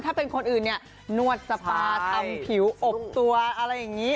ถ้าเป็นคนอื่นเนี่ยนวดสปาทำผิวอบตัวอะไรอย่างนี้